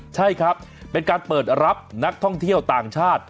ใช่ครับเป็นการเปิดรับนักท่องเที่ยวต่างชาติ